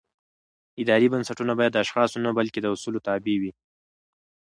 اداري بنسټونه باید د اشخاصو نه بلکې د اصولو تابع وي